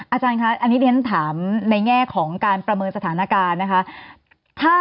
อาจารย์คะอันนี้เรียนถามในแง่ของการประเมินสถานการณ์นะคะ